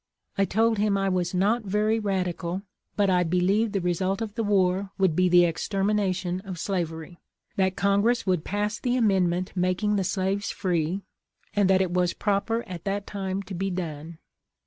I told him I was not ver\ radical, but I believed the result of the war would be tlie extermination of slavery ; that Congress would pass the amendment making the slave free, and that it was proper at that time to be done.